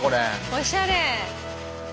おしゃれ。